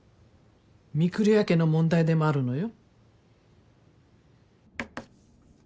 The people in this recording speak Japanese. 御厨家の問題でもあるのよ。